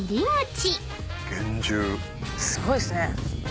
すごいっすね。